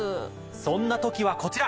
そんな時はこちら。